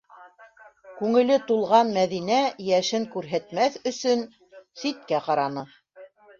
- Күңеле тулған Мәҙинә, йәшен күрһәтмәҫ өсөн, ситкә ҡараны.